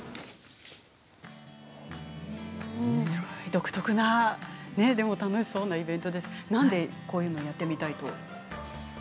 独特なでも楽しそうなイベントで何でこういうのやってみたいと？